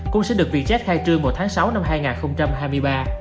cũng sẽ được vietjet khai trương vào tháng sáu năm hai nghìn hai mươi ba